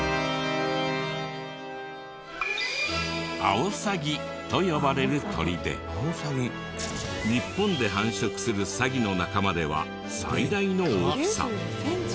アオサギと呼ばれる鳥で日本で繁殖するサギの仲間では最大の大きさ。